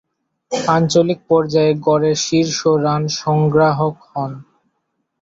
আঞ্চলিক পর্যায়ে গড়ে শীর্ষ রান সংগ্রাহক হন।